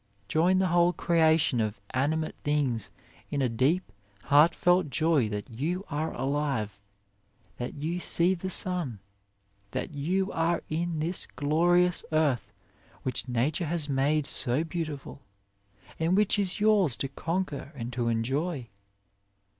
Join the whole crea 34 OF LIFE tion of animate things in a deep, heartfelt joy that you are alive, that you see the sun, that you are in this glorious earth which nature has made so beautiful, and which is yours to conquer and to enjoy.